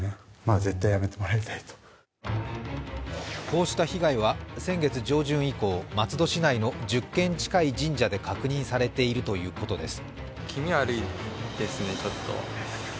こうした被害は先月上旬以降、松戸市内の１０軒近い神社で確認されているということです。